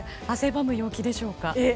汗ばむ陽気でしょうか。